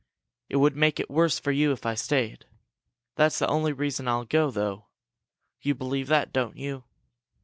It would make it worse for you if I stayed. That's the only reason I'll go, though! You believe that, don't you?"